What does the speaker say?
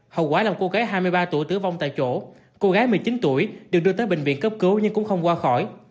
hậu quả làm cô gái hai mươi ba tuổi tử vong tại chỗ cô gái một mươi chín tuổi được đưa tới bệnh viện cấp cứu nhưng cũng không qua khỏi